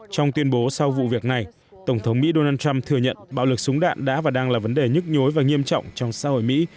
trong tuyên bố sau vụ việc này tổng thống mỹ donald trump thừa nhận bạo lực súng đạn đã và đang là vấn đề nhức nhối và nghiêm trọng trong xã hội mỹ